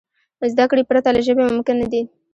زدهکړې پرته له ژبي ممکن نه دي.